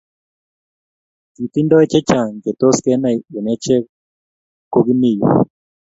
Kitindoi chechang che tos kenai eng achek ko kimi yu